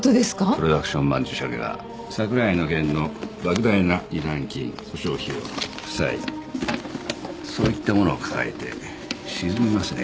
プロダクション曼珠沙華は櫻井の件の莫大な示談金訴訟費用負債そういったものを抱えて沈みますね。